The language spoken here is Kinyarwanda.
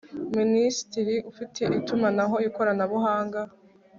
Minisitiri ufite itumanaho ikoranabuhanga